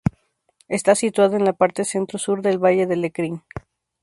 Está situada en la parte centro-sur del Valle de Lecrín.